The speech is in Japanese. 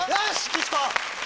岸子。